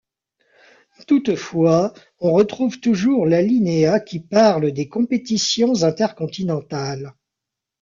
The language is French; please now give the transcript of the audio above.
Toutefois on retrouve toujours l'alinéa qui parle des compétitions intercontinentales.